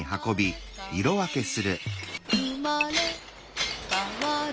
「うまれかわる」